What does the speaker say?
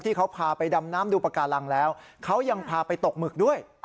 ที่เขาพาไปดำน้ำดูปากการังแล้วเขายังพาไปตกหมึกด้วย